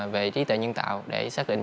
về trí tệ nhân tạo để xác định